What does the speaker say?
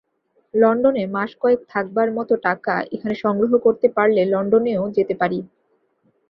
লণ্ডনে মাস কয়েক থাকবার মত টাকা এখানে সংগ্রহ করতে পারলে লণ্ডনেও যেতে পারি।